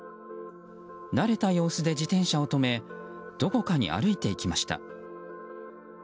慣れた様子で自転車を止めどこかに歩いていきました。